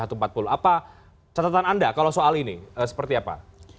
apa catatan anda kalau soal ini seperti apa